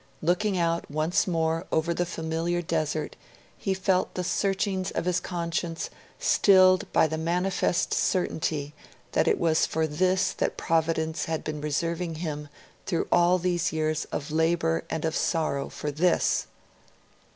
Looking out once more over the familiar desert, he felt the searchings of his conscience stilled by the manifest certainty that it was for this that Providence had been reserving him through all these years of labour and of sorrow for this!